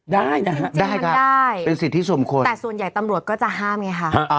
ได้นะฮะได้ครับได้เป็นสิทธิสมควรแต่ส่วนใหญ่ตำรวจก็จะห้ามไงค่ะ